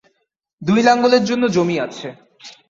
দুটি লাঙলের জন্য জমি আছে।